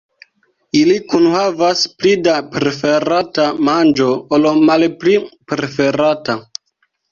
Ili kunhavas pli da preferata manĝo ol malpli preferata.